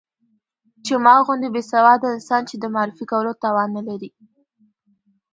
چې ما غوندې بې سواده انسان يې د معرفي کولو توان نه لري.